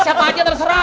siapa aja terserah